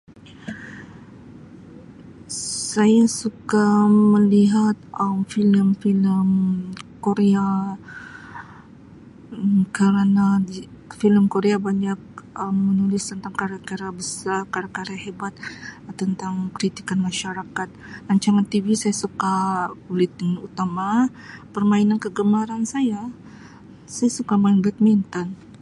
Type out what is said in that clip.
Saya suka melihat Um filem-filem Korea kerana filem Korea banyak Um menulis tentang karya-karya besar karya-karya hebat tentang kritikan masyarakat rancangan TV saya suka Buletin Utama permainan kegemaran saya saya suka main badminton.